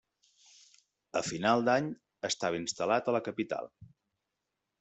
A final d'any estava instal·lat a la capital.